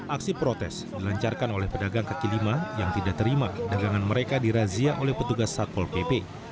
aksi protes dilancarkan oleh pedagang kaki lima yang tidak terima dagangan mereka dirazia oleh petugas satpol pp